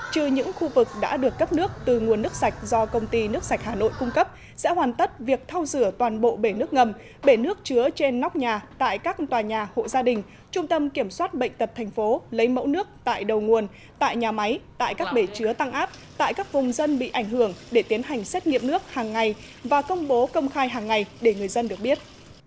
trừ những khu vực đã được cấp nước từ nguồn nước sạch do công ty nước sạch hà nội cung cấp sẽ hoàn tất việc thâu rửa toàn bộ bể nước ngầm bể nước chứa trên nóc nhà tại các tòa nhà hộ gia đình trung tâm kiểm soát bệnh tật thành phố lấy mẫu nước tại đầu nguồn tại nhà máy tại các bể chứa tăng áp tại các vùng dân bị ảnh hưởng để tiến hành xét nghiệm nước hàng ngày và công bố công khai hàng ngày để người dân được biết